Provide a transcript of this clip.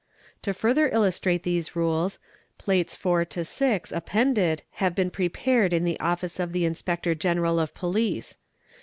"To further illustrate these rules, Plates IV. to VI. sppenddan i been prepared in the office of the Inspector General of Police.